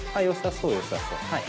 そうよさそう。